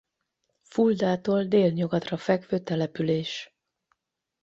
Fuldától délnyugatra fekvő település.